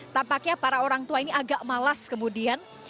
tampaknya para orang tua ini agak malas kemudian